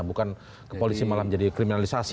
bukan ke polisi malah menjadi kriminalisasi